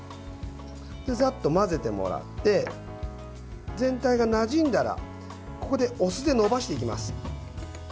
ざっと混ぜてもらって全体がなじんだらここで、お酢で伸ばしていきます。